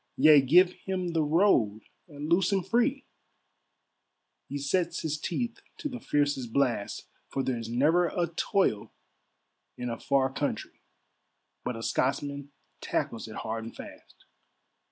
Yea, give him the road and loose him free, He sets his teeth to the fiercest blast, For there's never a toil in a far countrie, But a Scotsman tackles it hard and fast.